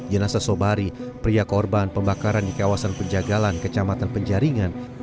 jenasa sobari pria korban pembakaran di kawasan penjagalan kecamatan penjaringan